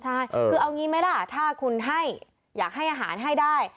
ใช่คือเอางี้ไหมล่ะถ้าคุณให้อยากให้อาหารให้ได้